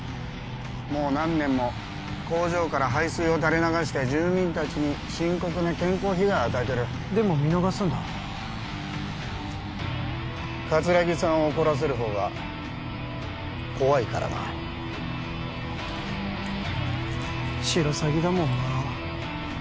もう何年も工場から排水を垂れ流して住民たちに深刻な健康被害を与えてるでも見逃すんだ桂木さんを怒らせるほうが怖いからなシロサギだもんな